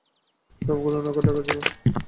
সবগুলো নৌকা ঢাকা ছিল।